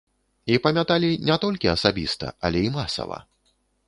І памяталі не толькі асабіста, але і масава.